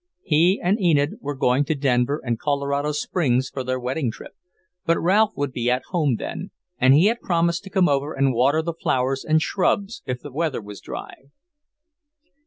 He and Enid were going to Denver and Colorado Springs for their wedding trip, but Ralph would be at home then, and he had promised to come over and water the flowers and shrubs if the weather was dry.